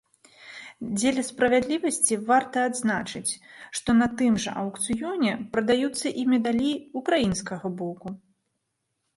Дзеля справядлівасці варта адзначыць, што на тым жа аўкцыёне прадаюцца і медалі ўкраінскага боку.